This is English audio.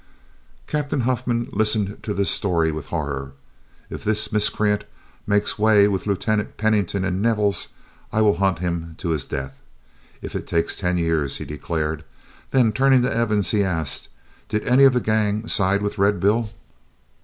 Captain Huffman listened to this story with horror. "If this miscreant makes way with Lieutenant Pennington and Nevels, I will hunt him to his death, if it takes ten years," he declared. Then turning to Evans, he asked: "Did any of the gang side with Red Bill?"